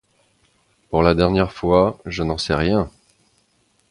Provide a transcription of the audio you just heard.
Pour la dernière fois : je n’en sais rien !